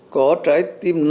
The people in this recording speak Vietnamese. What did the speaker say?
có trái tim nóng